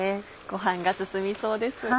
ご飯が進みそうです。